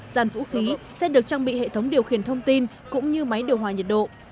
dàn vũ khí xe được trang bị hệ thống điều khiển thông tin cũng như máy điều hòa nhiệt độ